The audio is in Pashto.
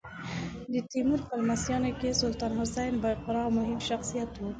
د تیمور په لمسیانو کې سلطان حسین بایقرا مهم شخصیت و.